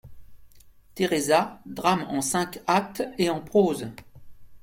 =Teresa.= Drame en cinq actes et en prose.